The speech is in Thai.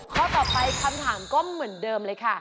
ข้อต่อไปคำถามก็เหมือนเดิมเลยค่ะ